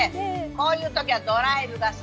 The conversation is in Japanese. こういう時はドライブが最高。